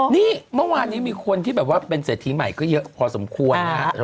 นี่เมื่อวานนี้มีคนที่แบบว่าเป็นเศรษฐีใหม่ก็เยอะพอสมควรนะฮะ